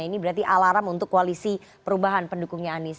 ini berarti alarm untuk koalisi perubahan pendukungnya anies